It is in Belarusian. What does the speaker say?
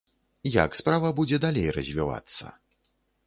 Як справа будзе далей развівацца?